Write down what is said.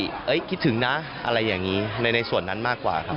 คิดถึงนะอะไรอย่างนี้ในส่วนนั้นมากกว่าครับ